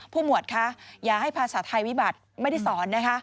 หมวดคะอย่าให้ภาษาไทยวิบัติไม่ได้สอนนะคะ